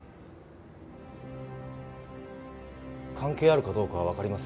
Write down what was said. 関係あるかどうかはわかりませんが。